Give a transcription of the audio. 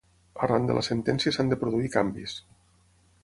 Arran de la sentència s'han de produir canvis.